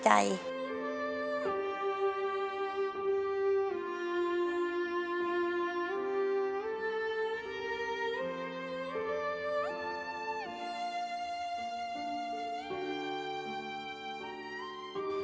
ช่างจะท้ายซึ่งเอง